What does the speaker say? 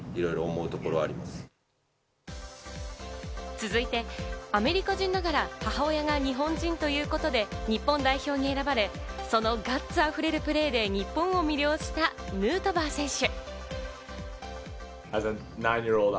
続いて、アメリカ人ながら母親が日本人ということで日本代表に選ばれ、そのガッツあふれるプレーで日本を魅了したヌートバー選手。